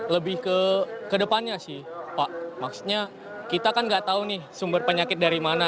lebih ke depannya sih pak maksudnya kita kan nggak tahu nih sumber penyakit dari mana